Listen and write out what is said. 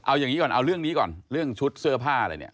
เอาอย่างนี้ก่อนเอาเรื่องนี้ก่อนเรื่องชุดเสื้อผ้าอะไรเนี่ย